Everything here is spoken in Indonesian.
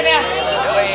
terima kasih tan ya